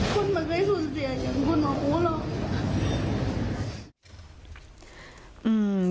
คุณมันเคยสูญเสียอย่างคุณบอกผมอ่ะ